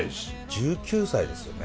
１９歳ですよね。